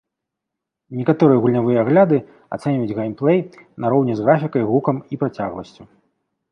Некаторыя гульнявыя агляды ацэньваюць геймплэй нароўні з графікай, гукам і працягласцю.